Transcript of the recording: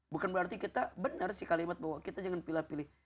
bukan berarti kita benar sih kalimat bahwa kita jangan pilih pilih